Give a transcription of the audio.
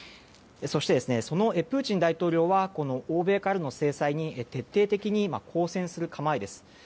そして、そのプーチン大統領は欧米からの制裁に徹底的に抗戦する構えです。